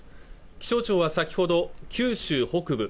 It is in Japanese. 気象庁は先ほど九州北部